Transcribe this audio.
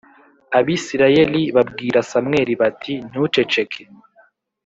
Abisirayeli babwira Samweli bati “ntuceceke”